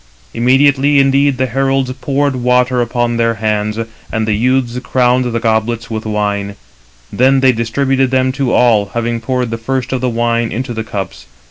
Immediately indeed the heralds poured water upon their hands, and the youths crowned the goblets with wine; then they distributed them to all, having poured the first of the wine into the cups.